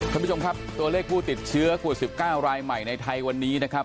ท่านผู้ชมครับตัวเลขผู้ติดเชื้อโควิด๑๙รายใหม่ในไทยวันนี้นะครับ